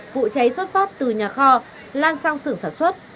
vụ cháy xuất phát từ nhà kho lan sang sưởng sản xuất